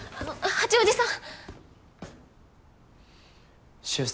八王子さん。